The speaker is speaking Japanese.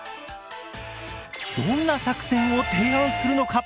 どんな作戦を提案するのか？